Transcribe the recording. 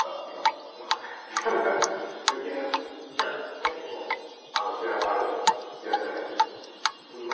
めっちゃ気になりました。